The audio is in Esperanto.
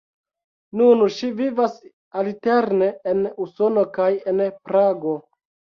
Nun ŝi vivas alterne en Usono kaj en Prago.